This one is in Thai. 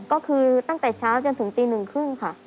ก็คือตั้งแต่เช้าจนถึงตีหนึ่งครึ่งค่ะ